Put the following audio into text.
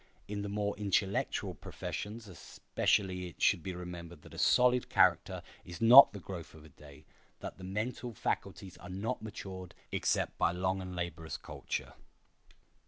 In the more intellectual professions especially it should be remembered that a solid character is not the growth of a day, that the mental faculties are not matured except by long and laborious culture.